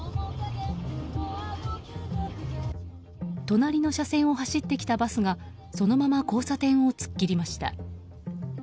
隣の車線を走ってきたバスがそのまま交差点を突っ切りました。